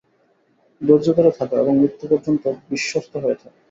ধৈর্য ধরে থাক এবং মৃত্যু পর্যন্ত বিশ্বস্ত হয়ে থাক।